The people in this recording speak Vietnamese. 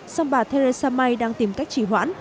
song bà theresa may đang tìm cách chỉ hoãn